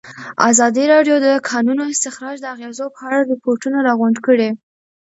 ازادي راډیو د د کانونو استخراج د اغېزو په اړه ریپوټونه راغونډ کړي.